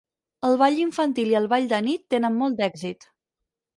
El ball infantil i el ball de nit tenen molt d'èxit.